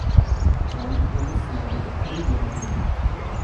Ранок був веселий, приємний.